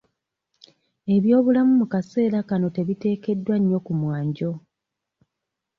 Ebyobulamu mu kaseera kano tebiteekeddwa nnyo ku mwanjo.